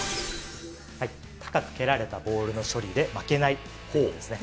高く蹴られたボールの処理で負けないですね。